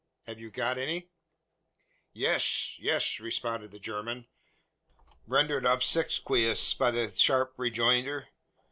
Have you got any?" "Yesh yesh," responded the German, rendered obsequious by the sharp rejoinder.